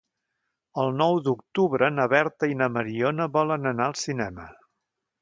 El nou d'octubre na Berta i na Mariona volen anar al cinema.